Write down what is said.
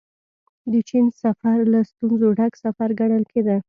د چين سفر له ستونزو ډک سفر ګڼل کېده.